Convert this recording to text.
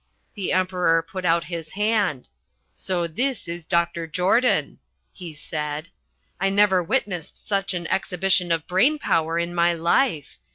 The Emperor put out his hand. 'So this is Dr. Jordan,' he said. I never witnessed such an exhibition of brain power in my life.